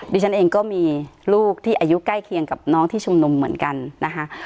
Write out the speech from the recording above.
ดิฉันเองก็มีลูกที่อายุใกล้เคียงกับน้องที่ชุมนุมเหมือนกันนะคะ